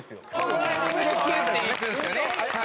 このタイミングでピュッていくんですよね。